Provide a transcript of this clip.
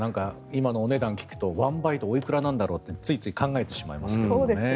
今のお値段を聞くと１バイトいくらなんだろうってついつい考えてしまいますね。